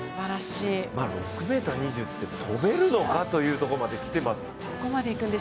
６ｍ２０って跳べるのかというところまできています。